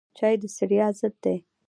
چای د ستړیا ضد دی